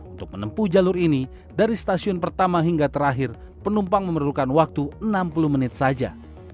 untuk menempuh jalur ini dari stasiun pertama hingga terakhir penumpang memerlukan waktu enam puluh menit saja